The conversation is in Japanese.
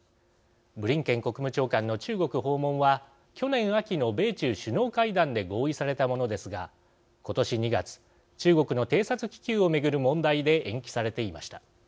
ブリンケン国務長官の中国訪問は去年秋の米中首脳会談で合意されたものですが今年２月中国の偵察気球を巡る問題で延期されていました。